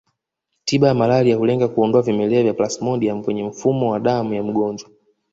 Tiba ya malaria hulenga kuondoa vimelea vya plasmodium kwenye mfumo wa damu ya mgonjwa